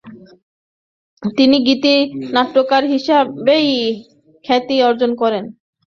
তিনি গীতিনাট্যকার হিসাবেই খ্যাতি অর্জন করেন।